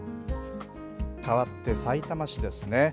かわってさいたま市ですね。